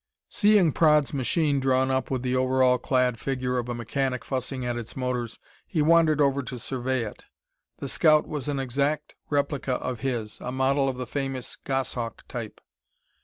Seeing Praed's machine drawn up with the overall clad figure of a mechanic fussing at its motors, he wandered over to survey it. The scout was an exact replica of his, a model of the famous Goshawk type.